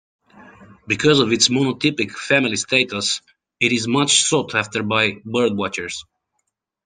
Because of its monotypic family status it is much sought after by birdwatchers.